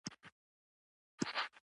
د لغمان عينک د مسو لوی کان دی